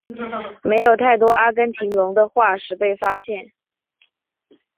没有太多阿根廷龙的化石被发现。